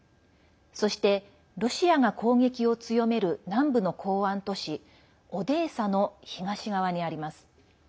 そして、ロシアが攻撃を強める南部の港湾都市オデーサの東側にあります。